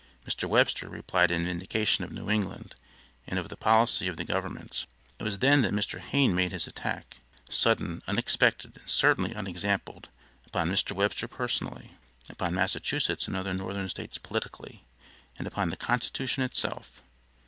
Mr. Webster replied in vindication of New England, and of the policy of the Government. It was then that Mr. Hayne made his attack sudden, unexpected, and certainly unexampled upon Mr. Webster personally, upon Massachusetts and other Northern States politically, and upon the constitution itself.